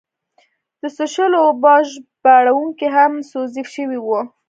د څښلو اوبه او ژباړونکي هم توظیف شوي وو.